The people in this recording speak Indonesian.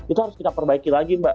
itu harus kita perbaiki lagi mbak